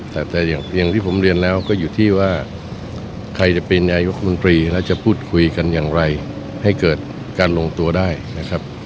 แต่อย่างที่ผมเรียนแล้วก็อยู่ที่ว่าใครจะเป็นนายกรัฐมนตรีแล้วจะพูดคุยกันอย่างไรให้เกิดการลงตัวได้นะครับ